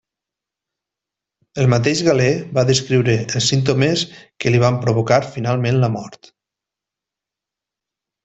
El mateix Galè va descriure els símptomes que li van provocar finalment la mort.